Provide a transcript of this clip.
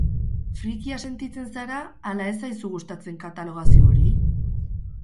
Frikia sentitzen zara ala ez zaizu gustatzen katalogazio hori?